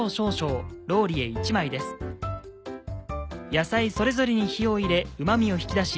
野菜それぞれに火を入れうま味を引き出し